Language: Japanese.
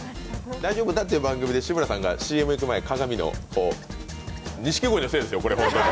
「大丈夫だ」っていう番組で志村さんがＣＭ行く前に鏡のこう錦鯉のせいですよ、これ。